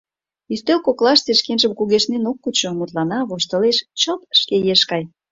Ӱстел коклаште шкенжым кугешнен ок кучо: мутлана, воштылеш — чылт шке еш гай!